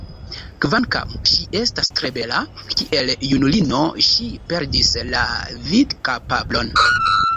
Kvankam ŝi estas tre bela, kiel junulino ŝi perdis la vidkapablon.